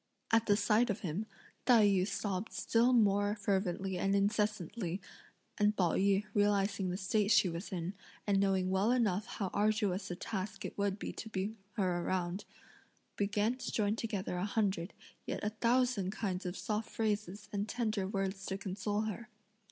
At the sight of him, Tai yü sobbed still more fervently and incessantly, and Pao yü realising the state she was in, and knowing well enough how arduous a task it would be to bring her round, began to join together a hundred, yea a thousand kinds of soft phrases and tender words to console her.